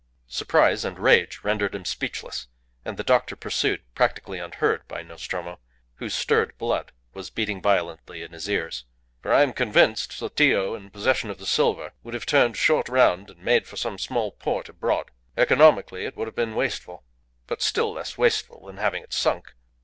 Surprise and rage rendered him speechless, and the doctor pursued, practically unheard by Nostromo, whose stirred blood was beating violently in his ears. "For I am convinced Sotillo in possession of the silver would have turned short round and made for some small port abroad. Economically it would have been wasteful, but still less wasteful than having it sunk.